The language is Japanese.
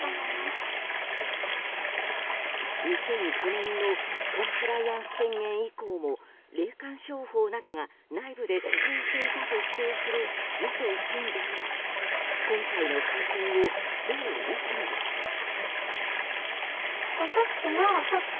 ２００９年のコンプライアンス宣言以降も霊感商法などが内部で続いていたと主張する元信者らは、今回の会見をどう見たのでしょうか。